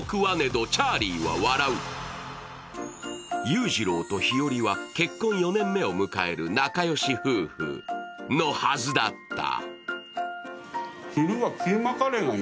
裕次郎と日和は結婚４年目を迎える仲良し夫婦のはずだった。